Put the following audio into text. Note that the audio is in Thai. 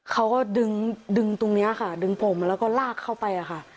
เขาก็ดึงดึงตรงนี้ค่ะดึงผมแล้วก็ลากเข้าไปค่ะ